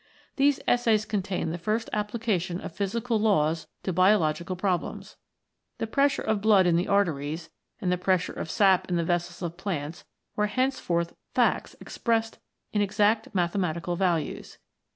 These Essays contain the first application of physical laws to biological problems. The pressure of blood in the arteries and the pressure of sap in the vessels of plants were henceforth facts ex pressed in exact mathematical values.